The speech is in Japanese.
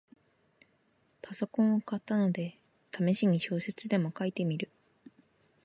パソコンを買ったので、ためしに小説でも書いてみる